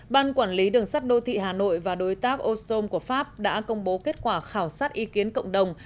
ban quản lý đường sắt đô thị hà nội và đối tác ostrom của pháp đã công bố kết quả khảo sát ý kiến cộng đồng